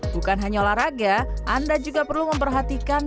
bukan hanya olahraga anda juga perlu memperhatikan